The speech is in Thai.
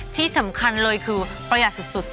ที่สำคัญเลยคือประหยัดสุด